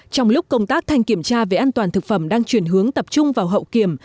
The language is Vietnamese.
trong lúc công tác thanh kiểm tra về an toàn thực phẩm đang chuyển hướng tập trung vào hậu kiểm